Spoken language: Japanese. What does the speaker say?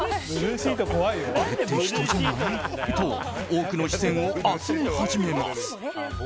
あれって人じゃない？と多くの視線を集め始めます。